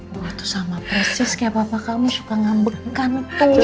wah itu sama persis kayak papa kamu suka ngambek kan